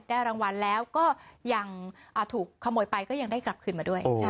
รางวัลแล้วก็ยังถูกขโมยไปก็ยังได้กลับคืนมาด้วย